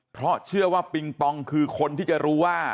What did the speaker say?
เพราะเชื่อว่าปิงปองคือคนที่จะรู้ว่า